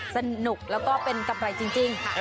สนุกแล้วก็เป็นกำไรจริง